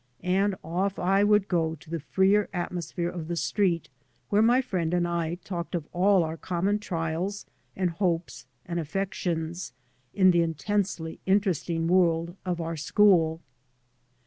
" And off I would go to the freer atmosphere of the street where my friend and I talked of all our common trials, and hopes, and affections, in the intensely interesting world of our school.